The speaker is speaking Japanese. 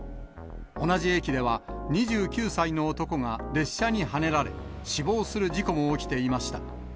同じ駅では、２９歳の男が列車にはねられ、死亡する事故も起きていました。